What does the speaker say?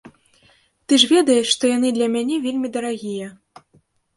Ты ж ведаеш, што яны для мяне вельмі дарагія.